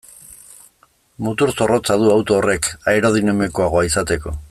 Mutur zorrotza du auto horrek aerodinamikoagoa izateko.